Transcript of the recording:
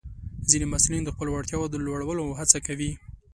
ځینې محصلین د خپلو وړتیاوو د لوړولو هڅه کوي.